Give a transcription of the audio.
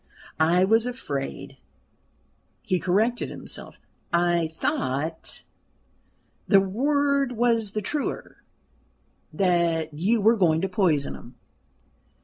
I was afraid" he corrected himself "I thought" the word was the truer "that you were going to poison him."